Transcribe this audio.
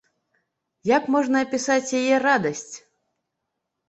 Як можна апісаць яе радасць?